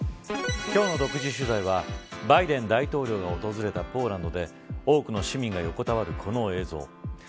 今日の独自取材はバイデン大統領が訪れたポーランドで多くの市民が横たわるこの映像。